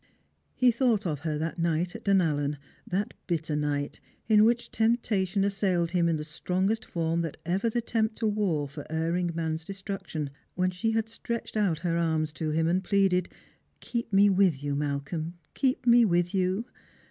He thought of her that night at Dunallen, that bitter night, in which temptation assailed him in the strongest form that ever the tempter wore for erring man's destruction, when she had stretched out her arms to him and pleaded " Keep me with you, Malcolm, keep me with you